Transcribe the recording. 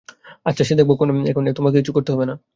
আচ্ছা সে দেখব এখন, তোমাকে কিছু করতে হবে না।